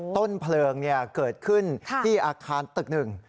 ต้นเพลิงเกิดขึ้นที่อาคารตึกหนึ่ง